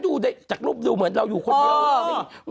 ดูจากรูปดูเหมือนเราอยู่คนเดียว